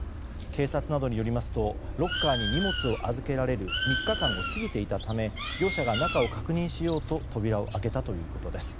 警察などによりますとロッカーに荷物を預けられる３日間を過ぎていたため業者が中を確認しようと扉を開けたということです。